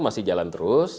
masih jalan terus